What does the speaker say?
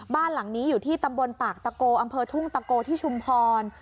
บ้านหลังนี้อยู่ที่ตำบลปากตะโกอำเภอทุ่งตะโกที่ชุมพร